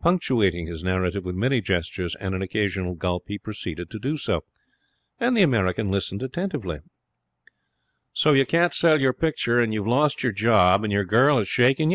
Punctuating his narrative with many gestures and an occasional gulp, he proceeded to do so. The American listened attentively. 'So you can't sell your picture, and you've lost your job, and your girl has shaken you?'